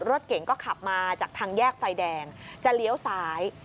รถเก่งก็ขับมาจากทางแยกไฟแดงจะเลี้ยวซ้าย